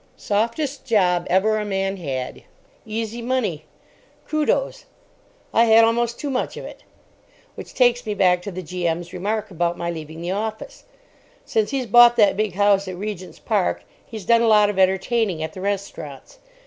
Softest job ever a man had. Easy money. Kudos—I had almost too much of it. Which takes me back to the G.M.'s remark about my leaving the office. Since he's bought that big house at Regent's Park he's done a lot of entertaining at the restaurants.